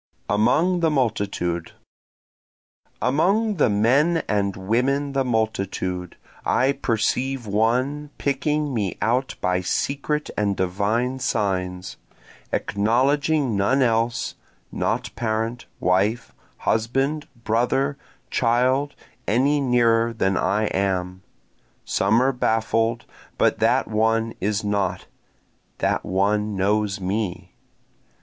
Among the Multitude Among the men and women the multitude, I perceive one picking me out by secret and divine signs, Acknowledging none else, not parent, wife, husband, brother, child, any nearer than I am, Some are baffled, but that one is not that one knows me.